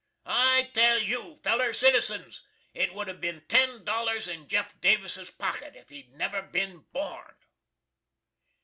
I tell you, feller citizens, it would have bin ten dollars in Jeff Davis's pocket if he'd never bin born!